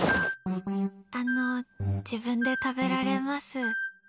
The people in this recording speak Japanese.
あの自分で食べられます。